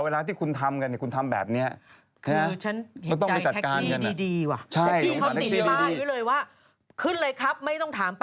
ต้องเข้าระบบหรือเปล่า